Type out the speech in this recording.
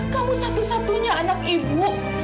kamu satu satunya anak ibu